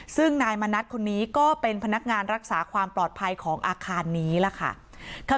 ซึ่งนายมณัฐคนนี้ก็เป็นพนักงานรักษาความปลอดภัยของอาคารนี้ล่ะค่ะ